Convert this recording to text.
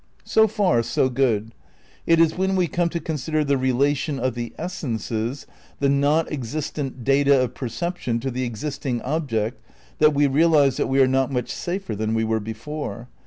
So far, so good. It is when we come to consider the relation of the essences, the not existent data of per ception to the existing object that we realise that we are not much safer than we were before.